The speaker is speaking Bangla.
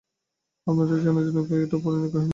আপনাদের জানার জন্য বলি, এটা পৌরাণিক কাহিনী নয়।